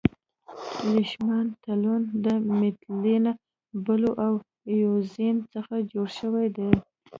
لیشمان تلوین د میتیلین بلو او اییوزین څخه جوړ شوی دی.